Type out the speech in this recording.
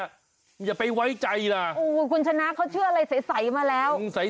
อย่าไปไว้ใจนะโอ้คุณชนะเขาเชื่ออะไรใสมาแล้ว